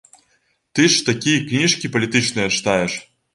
Ты ж такі кніжкі палітычныя чытаеш.